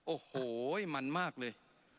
โอ้โหมันมากเลย